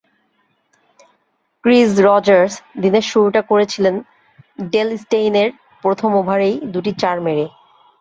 Crease Rogers দিনের শুরুটা করেছিলেন ডেল স্টেইনের প্রথম ওভারেই দুটি চার মেরে।